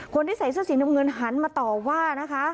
คนที่ใส่เสื้อสีน้ำเงินหันมาต่อว่านะคะ